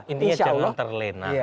ini jangan terlena